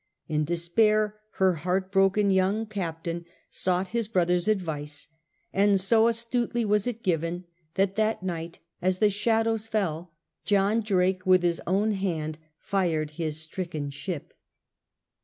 In despair her heart broken young captain sought his brother's advice, and so astutely was it given, that that night, as the shadows fell, John Drake with his own hand fired his stricken ship.